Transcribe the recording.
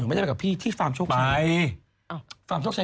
อยู่เมื่อกรหน้ากับพี่ที่ฟาร์มโชคชัย